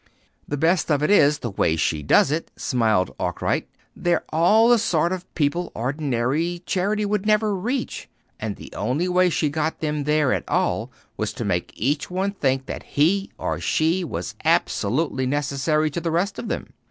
"The best of it is, the way she does it," smiled Arkwright. "They're all the sort of people ordinary charity could never reach; and the only way she got them there at all was to make each one think that he or she was absolutely necessary to the rest of them.